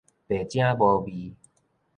白汫無味